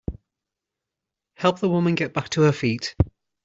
Help the woman get back to her feet.